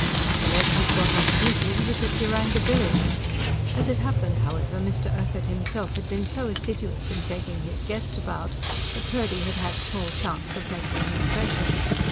Whenever he got off duty he was at Yarangobilly. As it happened, however, Mr. Urquhart himself had been so assiduous in taking his guest about that Purdy had had small chance of making an impression.